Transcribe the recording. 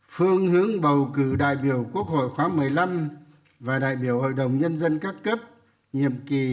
phương hướng bầu cử đại biểu quốc hội khóa một mươi năm và đại biểu hội đồng nhân dân các cấp nhiệm kỳ hai nghìn hai mươi một hai nghìn hai mươi sáu